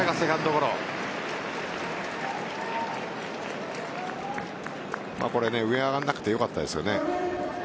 上に上がらなくてよかったですよね。